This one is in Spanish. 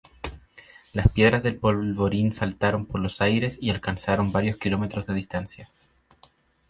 Las piedras del polvorín saltaron por los aires y alcanzaron varios kilómetros de distancia.